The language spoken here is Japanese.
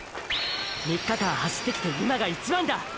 ３日間走ってきて今が一番だ！！